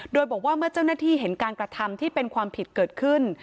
โดยบอกว่าเมื่อเจ้าหน้าที่เห็นการกระทำที่เป็นความผิดเกิดขึ้น